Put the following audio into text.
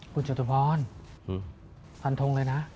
คุณจตุพรฟันทงเลยนะ